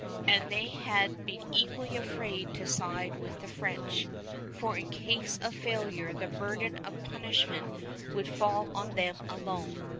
And they had been equally afraid to side with the French, for in case of failure the burden of punishment would fall on them alone.